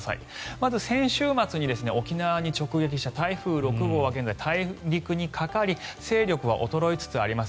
まず先週末に沖縄に直撃した台風６号は現在大陸にかかり勢力は衰えつつあります。